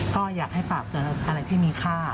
ก็อยากให้ฝากเตือนอะไรที่มีค่า